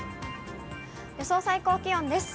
予想最高気温です。